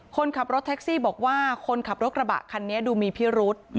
คนขับรถแท็กซี่บอกว่าคนขับรถกระบะคันนี้ดูมีพิรุษ